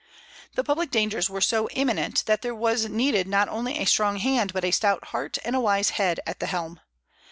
The public dangers were so imminent that there was needed not only a strong hand but a stout heart and a wise head at the helm.